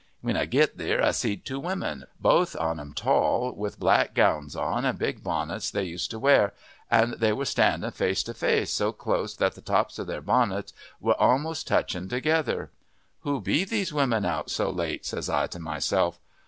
When I git there I see'd two women, both on 'em tall, with black gowns on, an' big bonnets they used to wear; an' they were standing face to face so close that the tops o' their bonnets wur a'most touching together. Who be these women out so late? says I to myself.